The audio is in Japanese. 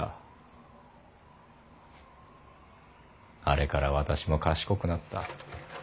あれから私も賢くなった。